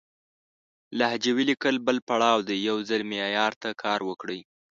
لهجوي ليکل بل پړاو دی، يو ځل معيار ته کار وکړئ!